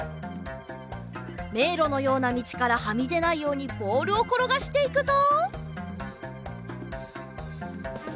めいろのようなみちからはみでないようにボールをころがしていくぞ。